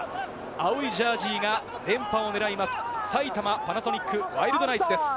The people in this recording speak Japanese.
青いジャージーが連覇を狙います、埼玉パナソニックワイルドナイツです。